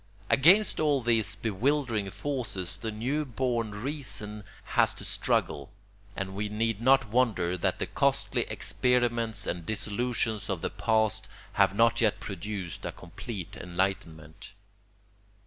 Against all these bewildering forces the new born reason has to struggle; and we need not wonder that the costly experiments and disillusions of the past have not yet produced a complete enlightenment.